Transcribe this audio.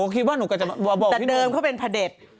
แต่เดิมเขาเป็นพระเดช